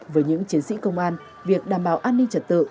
với những chiến sĩ công an việc đảm bảo an ninh trật tự